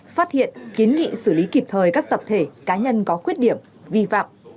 phát hiện kiến nghị xử lý kịp thời các tập thể cá nhân có khuyết điểm vi phạm